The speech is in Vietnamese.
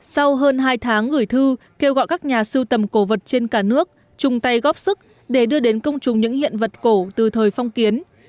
sau hơn hai tháng gửi thư kêu gọi các nhà sưu tầm cổ vật trên cả nước chung tay góp sức để đưa đến công chúng những hiện vật cổ từ thời phong kiến